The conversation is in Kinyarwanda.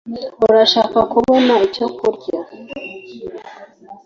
urashaka kubona icyo kurya